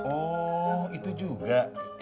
oh itu juga